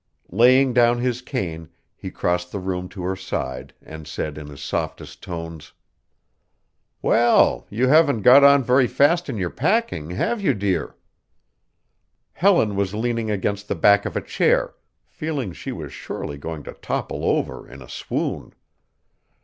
Laying down his cane he crossed the room to her side and said in his softest tones: "Well, you haven't got on very fast in your packing, have you, dear?" Helen was leaning against the back of a chair, feeling she was surely going to topple over in a swoon.